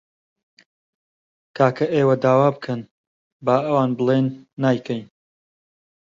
کاکە ئێوە داوا بکەن، با ئەوان بڵێن نایکەین